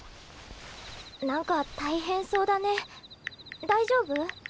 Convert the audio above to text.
なんか大変そうだね大丈夫？